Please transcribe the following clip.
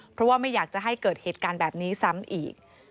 เพราะว่าไม่อยากจะให้เกิดเหตุการณ์แบบนี้ซ้ำอีก